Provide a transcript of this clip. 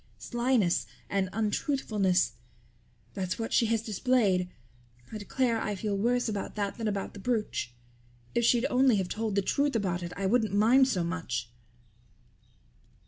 Slyness and untruthfulness that's what she has displayed. I declare I feel worse about that than about the brooch. If she'd only have told the truth about it I wouldn't mind so much."